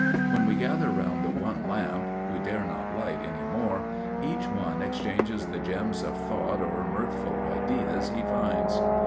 When we gather round the one lamp we dare not light any more each one exchanges the gems of thought or mirthful ideas he finds.